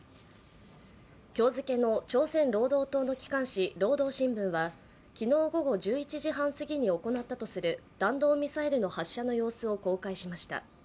今日付の朝鮮労働党の機関紙「労働新聞」は昨日午後１１時半過ぎに行ったとする弾道ミサイルの発射の様子を公開しました。